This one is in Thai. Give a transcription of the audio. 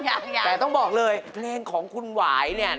แต่ต้องบอกเลยเพลงของคุณหวายเนี่ย